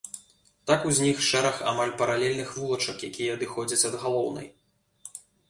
Так узнік шэраг амаль паралельных вулачак, якія адыходзяць ад галоўнай.